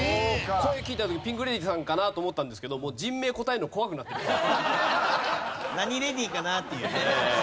声聞いた時ピンク・レディーさんかなと思ったんですけどもう何レディーかな？っていうね。